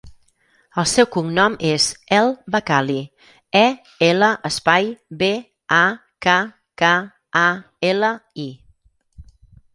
El seu cognom és El Bakkali: e, ela, espai, be, a, ca, ca, a, ela, i.